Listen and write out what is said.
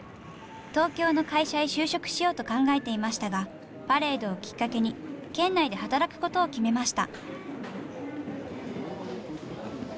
東京の会社へ就職しようと考えていましたがパレードをきっかけに県内で働くことを決めました。